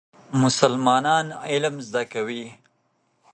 مسلمانان علم زده کوي.